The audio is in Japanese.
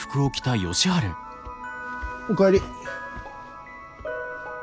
お帰り。